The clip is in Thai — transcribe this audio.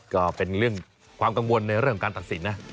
ก็เป็นเรื่องความกังวลในเรื่องของการตัดสินนะ